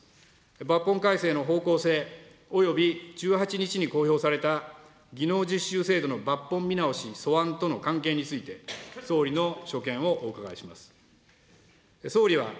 抜本改正の方向性、および１８日に公表された技能実習制度抜本見直し素案との関係について、総理の所見をお伺いします。